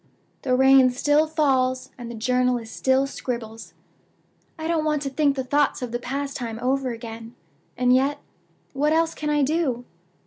"The rain still falls, and the journalist still scribbles. I don't want to think the thoughts of that past time over again. And yet, what else can I do?